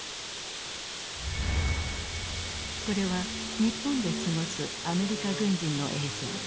これは日本で過ごすアメリカ軍人の映像。